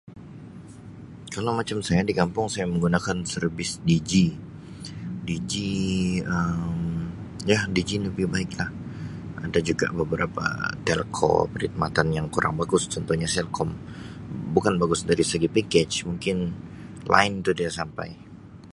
Kalau macam saya di kampung saya menggunakan servis Digi Digi Um ya Digi lebih baik lah ada juga beberapa telco perkhidmatan yang kurang bagus contohnya Celcom bukan bagus dari segi pekej mungkin line tu tia sampai.